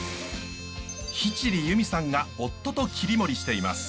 七里弓さんが夫と切り盛りしています。